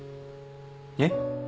えっ？